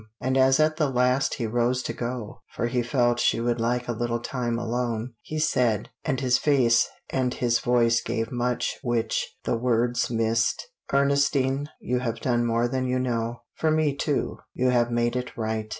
And as at the last he rose to go, for he felt she would like a little time alone, he said, and his face and his voice gave much which the words missed: "Ernestine, you have done more than you know. For me too you have made it right."